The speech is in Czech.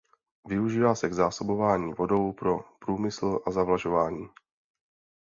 Využívá se k zásobování vodou pro průmysl a zavlažování.